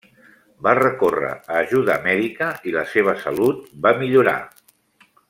Va recórrer a ajuda mèdica i la seva salut va millorar.